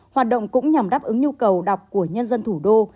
hoạt động cũng nhằm đáp ứng nhu cầu đọc của nhân dân thủ đô